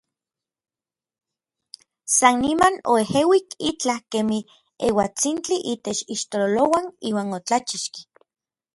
San niman oejeuik itlaj kemij euatsintli itech ixtololouan iuan otlachixki.